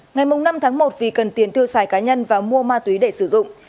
ngày năm tháng một vì cần tiền tiêu xài cá nhân và mua ma túy để sử dụng